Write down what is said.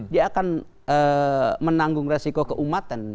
dia akan menanggung resiko keumatan